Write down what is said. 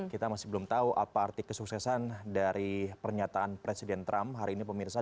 kita masih belum tahu apa arti kesuksesan dari pernyataan presiden trump hari ini pemirsa